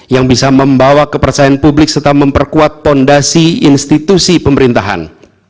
yang bisa membawa kepercayaan publik serta memperkuat fondasi institusi pemerintahan